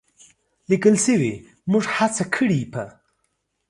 لیکل شوې، موږ هڅه کړې په